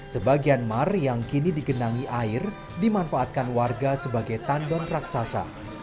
sebagian mar yang kini digenangi air dimanfaatkan warga sebagai tandon raksasa